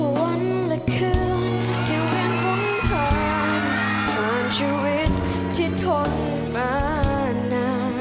วันละคืนที่ยังคงผ่านผ่านชีวิตที่ทนมา